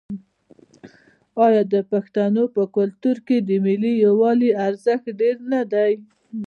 آیا د پښتنو په کلتور کې د ملي یووالي ارزښت ډیر نه دی؟